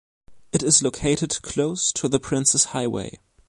It is located close to the Princes Highway.